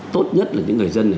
tốt nhất là những người dân